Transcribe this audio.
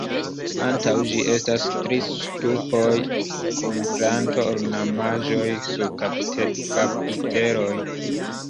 Antaŭ ĝi estas tri ŝtupoj kun planto-ornamaĵoj sur kapiteloj.